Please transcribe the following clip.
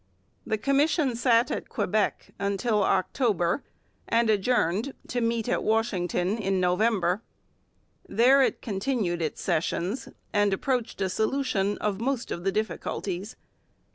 The Commission sat at Quebec until October and adjourned to meet at Washington in November. There it continued its sessions and approached a solution of most of the difficulties.